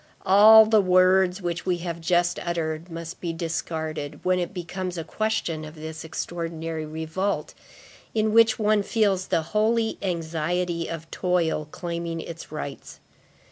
All the words which we have just uttered, must be discarded, when it becomes a question of this extraordinary revolt, in which one feels the holy anxiety of toil claiming its rights.